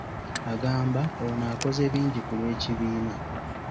Agamba ono akoze bingi ku lw’ekibiina.